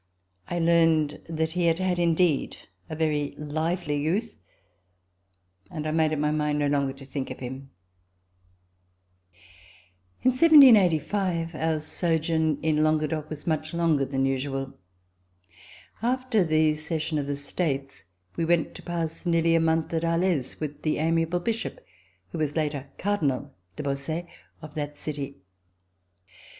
I learned that he had had indeed a very lively youth, and I made up my mind no longer to think of him. In 1785 our sojourn in Languedoc was much longer than usual. After the session of the States we went to pass nearly a month at Alais, with the amiable Bishop, who was later Cardinal de Bausset of that city.